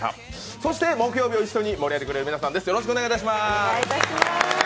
そして木曜日を一緒に盛り上げてくれる皆さんです。